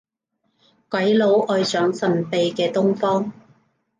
鬼佬愛上神秘嘅東方